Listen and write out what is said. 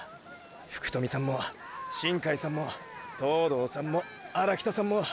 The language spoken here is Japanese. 福富さんも新開さんも東堂さんも荒北さんも。